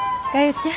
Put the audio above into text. ちゃん。